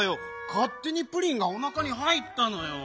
かっ手に「プリンがおなかにはいった」のよ。